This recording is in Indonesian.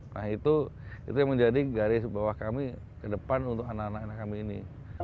nah itu yang menjadi garis bawah kami ke depan untuk anak anak kami ini